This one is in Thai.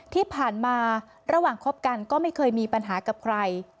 ที่ผ่านมาระหว่างคบกันก็ไม่เคยมีปัญหากับใคร